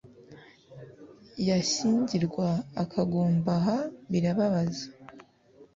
yashyingirwa akagumbaha birababaza